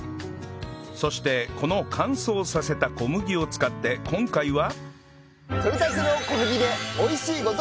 そしてこの乾燥させた小麦を使って今回は